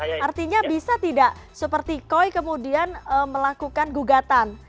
artinya bisa tidak seperti koi kemudian melakukan gugatan